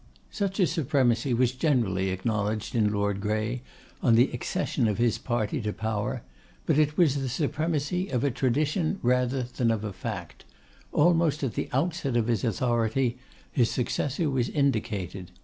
Such a supremacy was generally acknowledged in Lord Grey on the accession of this party to power: but it was the supremacy of a tradition rather than of a fact. Almost at the outset of his authority his successor was indicated.